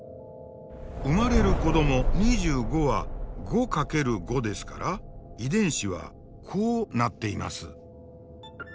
生まれる子ども２５は５×５ですから遺伝子はこうなっています。